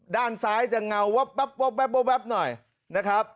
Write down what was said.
ด้านซ้ายจะเงาว๊บว๊บว๊บว๊บว๊บว๊บหน่อยนะครับ